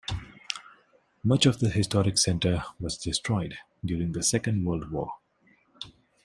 Much of the historic centre was destroyed during the Second World War.